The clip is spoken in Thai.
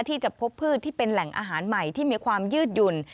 ที่จะพบพืชที่เป็นแหล่งอาหารใหม่ที่มีความยืดหยุ่น